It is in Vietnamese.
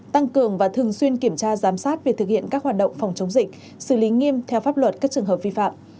tăng cường và thường xuyên kiểm tra giám sát việc thực hiện các hoạt động phòng chống dịch xử lý nghiêm theo pháp luật các trường hợp vi phạm